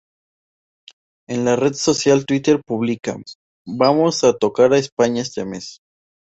En la red social Twitter pública: "Vamos a tocar a España este mes!